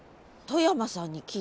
外山さん。